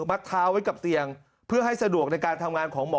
มัดเท้าไว้กับเตียงเพื่อให้สะดวกในการทำงานของหมอ